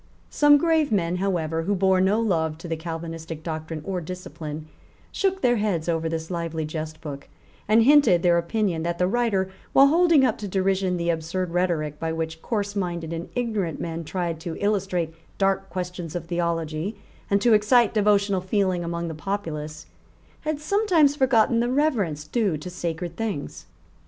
Some grave men, however, who bore no love to the Calvinistic doctrine or discipline, shook their heads over this lively jest book, and hinted their opinion that the writer, while holding up to derision the absurd rhetoric by which coarseminded and ignorant men tried to illustrate dark questions of theology and to excite devotional feeling among the populace, had sometimes forgotten the reverence due to sacred things.